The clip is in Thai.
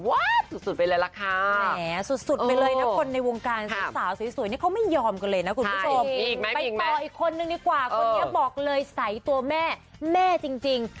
ตัวแม่แม่จริงคุณแม่เจนนี่เทียนโฟสุวัน